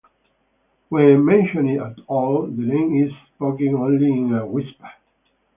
When mentioned at all, the name is spoken only in a whisper.